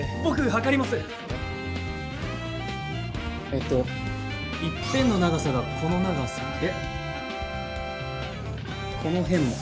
えっと一辺の長さがこの長さでこの辺も。